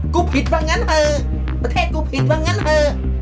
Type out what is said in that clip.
ผิดว่างั้นเถอะประเทศกูผิดว่างั้นเถอะ